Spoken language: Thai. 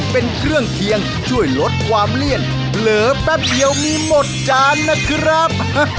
เป็นเครื่องเคียงช่วยลดความเลี่ยนเผลอแป๊บเดียวมีหมดจานนะครับ